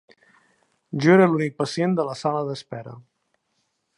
Jo era l'únic pacient de la sala d'espera.